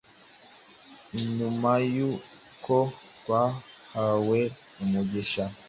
inyuma cy’uko twahawe umugisha.